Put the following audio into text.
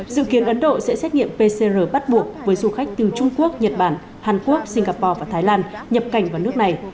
dự kiến ấn độ sẽ xét nghiệm pcr bắt buộc với du khách từ trung quốc nhật bản hàn quốc singapore và thái lan nhập cảnh vào nước này